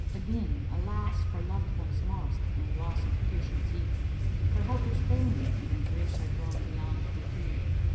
Again alas for loved ones lost and loss of patience eke! * For helpers fail me and my griefs are grown beyond decree.